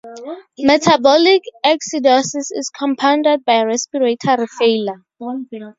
Metabolic acidosis is compounded by respiratory failure.